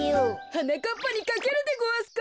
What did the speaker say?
はなかっぱにかけるでごわすか？